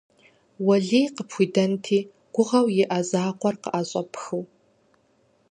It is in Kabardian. Уэлий къыпхуидэнти гугъэу иӀэ закъуэр къыӀэщӀэпхыу!